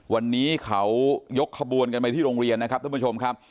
วันนี้เขายกขบวนกันไปที่โรงเรียนนะครับท่านผู้ชมครับ